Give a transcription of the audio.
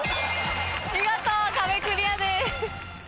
見事壁クリアです。